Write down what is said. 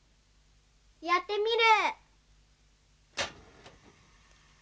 やってみる。